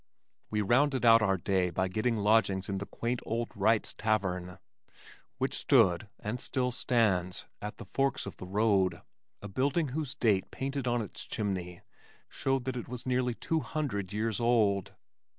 We rounded out our day by getting lodgings in the quaint old Wright's tavern which stood (and still stands) at the forks of the road, a building whose date painted on its chimney showed that it was nearly two hundred years old!